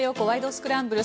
スクランブル」。